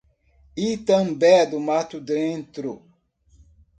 Itambé do Mato Dentro